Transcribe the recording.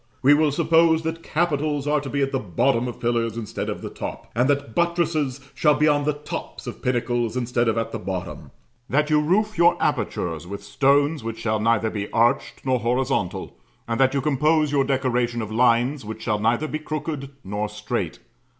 We will suppose that capitals are to be at the bottom of pillars instead of the top; and that buttresses shall be on the tops of pinnacles instead of at the bottom; that you roof your apertures with stones which shall neither be arched nor horizontal; and that you compose your decoration of lines which shall neither be crooked nor straight.